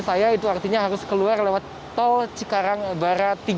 saya itu artinya harus keluar lewat tol cikarang barat tiga